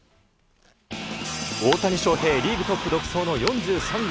大谷翔平、リーグトップ独走の４３号。